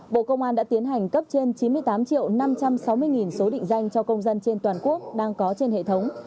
bộ công an đã tiến hành cấp trên chín mươi tám triệu năm trăm sáu mươi số định danh cho công dân trên toàn quốc đang có trên hệ thống